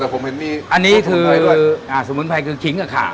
แต่ผมเห็นมีอันนี้คืออะไรด้วยสมุนไพรคือคิงกับขา